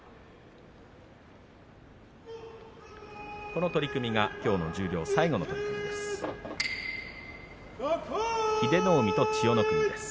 この取組がきょうの十両最後の取組です。